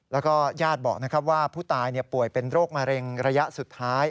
แล้วก็ญาติบอกนะครับว่าผู้ตายเนี่ยป่วยเป็นโรคระเลงระยะสุดท้าย